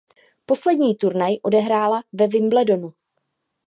Poslední turnaj odehrála ve Wimbledonu.